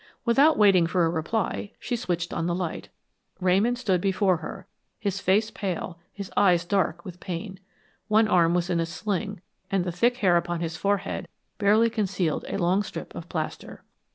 Without waiting for a reply she switched on the light. Ramon stood before her, his face pale, his eyes dark with pain. One arm was in a sling and the thick hair upon his forehead barely concealed a long strip of plaster.